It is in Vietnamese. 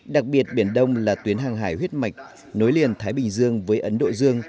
đặc biệt biển đông là tuyến hàng hải huyết mạch nối liền thái bình dương với ấn độ dương